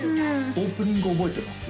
オープニング覚えてます？